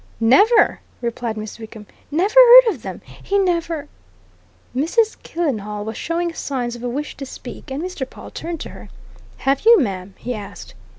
"Never!" replied Miss Wickham. "Never heard of them. He never " Mrs. Killenhall was showing signs of a wish to speak, and Mr. Pawle turned to her. "Have you, ma'am?" he asked.